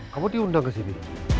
kamu diundang ke sini